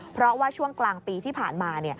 เพราะว่าช่วงกลางปีที่ผ่านมา